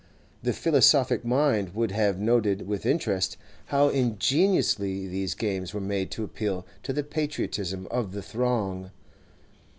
The philosophic mind would have noted with interest how ingeniously these games were made to appeal to the patriotism of the throng.